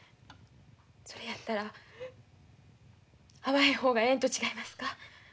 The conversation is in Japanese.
それやったら会わへん方がええんと違いますか。